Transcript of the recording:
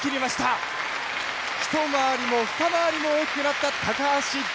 一回りも二回りも大きくなった橋大輔。